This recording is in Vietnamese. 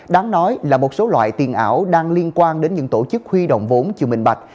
đáng nói là một số loại tiền ảo đang liên quan đến những tổ chức huy động vốn chưa minh bạch